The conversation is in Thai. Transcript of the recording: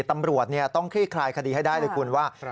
ตำรวจต้องคลี่คลายคดีให้ได้เลยคุณว่า